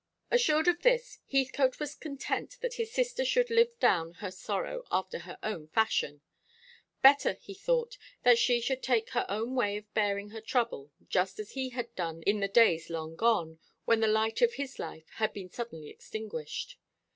Assured of this, Heathcote was content that his sister should live down her sorrow after her own fashion. Better, he thought, that she should take her own way of bearing her trouble; just as he himself had done in the days long gone, when the light of his life had been suddenly extinguished.